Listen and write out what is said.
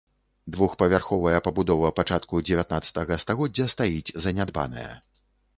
Двухпавярховая пабудова пачатку дзевятнаццатага стагоддзя стаіць занядбаная.